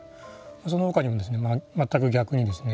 その他にもですねまったく逆にですね